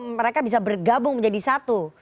mereka bisa bergabung menjadi satu